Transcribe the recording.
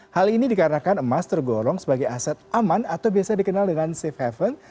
hal ini dikarenakan emas tergolong sebagai aset aman atau biasa dikenal dengan safe haven